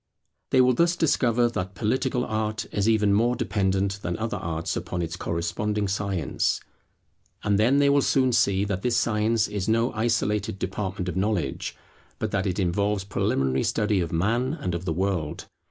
They will thus discover that Political Art is even more dependent than other arts, upon its corresponding Science. And then they will soon see that this science is no isolated department of knowledge, but that it involves preliminary study of Man and of the World.